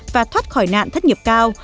và thoát khỏi nạn thất nghiệp cao